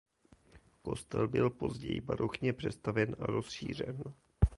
Kostel byl později barokně přestavěn a rozšířen.